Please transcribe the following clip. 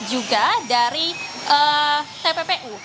dan juga dari pihak tppu